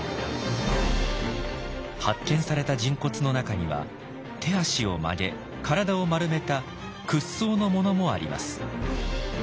発見された人骨の中には手足を曲げ体を丸めた「屈葬」のものもあります。